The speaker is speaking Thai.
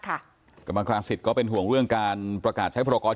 คณะกรรมการสิทธิก็เป็นห่วงเรื่องการประกาศใช้ประโยชน์